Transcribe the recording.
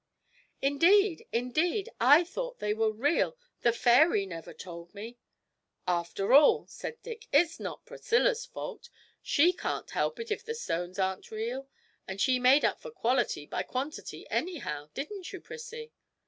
'Indeed, indeed I thought they were real, the fairy never told me!' 'After all,' said Dick, 'it's not Priscilla's fault. She can't help it if the stones aren't real, and she made up for quality by quantity anyhow; didn't you, Prissie?'